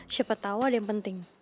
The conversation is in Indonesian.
siapa tahu ada yang penting